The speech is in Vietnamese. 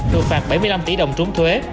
được phạt bảy mươi năm tỷ đồng trúng thuế